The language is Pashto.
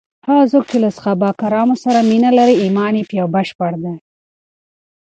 هغه څوک چې له صحابه کرامو سره مینه لري، ایمان یې بشپړ دی.